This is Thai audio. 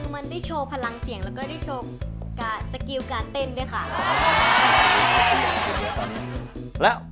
มันได้โชว์พลังเสียงแล้วก็ได้โชว์สกิลการเต้นด้วยค่ะ